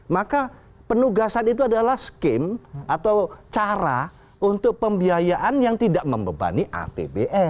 maka penugasan itu adalah scheme atau cara untuk pembiayaan yang tidak membebani apbn